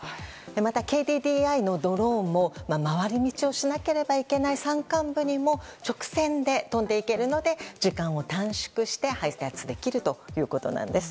また、ＫＤＤＩのドローンも回り道をしなければいけない山間部にも直線で飛んでいけるので時間を短縮して配達できるということなんです。